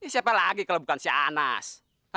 siapa lagi kalau bukan si anas